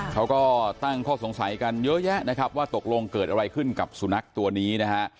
เขาก็ตั้งข้อสงสัยกันเยอะแยะนะครับว่าตกลงเกิดอะไรขึ้นกับสุนัขตัวนี้นะฮะ